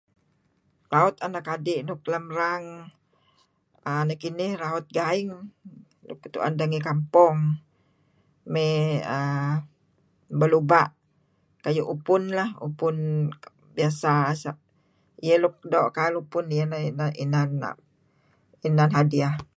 Raut anak adi' nuk lem rang nekinih raut gaing nuk tuen deh ngi kampong may uhm beluba' kayu' upunlah kayu' upun biasa. Iih luk kail upun iyeh inan hadiah.